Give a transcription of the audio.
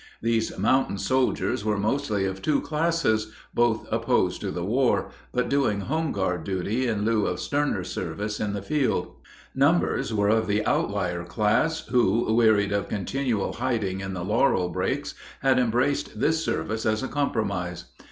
These mountain soldiers were mostly of two classes, both opposed to the war, but doing home guard duty in lieu of sterner service in the field. Numbers were of the outlier class, who, wearied of continual hiding in the laurel brakes, had embraced this service as a compromise.